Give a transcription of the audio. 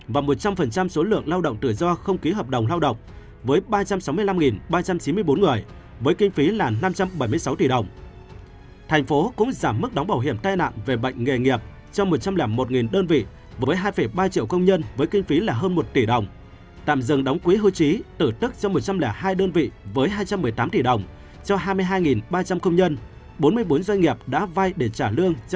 và một trăm linh số lượng lao động tự do không ký hợp đồng lao động với ba trăm sáu mươi năm ba trăm chín mươi bốn người với kinh phí là năm trăm bảy mươi sáu tỷ đồng